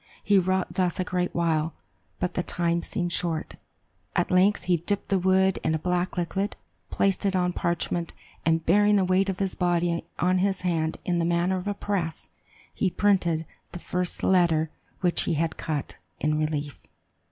He wrought thus a great while, but the time seemed short. At length, he dipped the wood in a black liquid, placed it on parchment, and bearing the weight of his body on his hand in the manner of a press, he printed the first letter which he had cut, in relief.